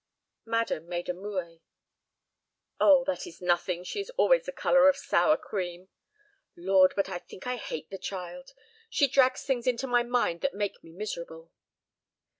Madam made a moue. "Oh—that is nothing; she is always the color of sour cream. Lord, but I think I hate the child; she drags things into my mind that make me miserable."